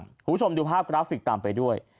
คุณผู้ชมดูภาพกราฟิกตามไปด้วย